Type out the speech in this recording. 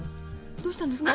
どうしたんですか？